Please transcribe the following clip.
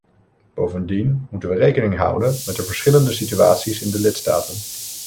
Bovendien moeten we rekening houden met de verschillende situaties in de lidstaten.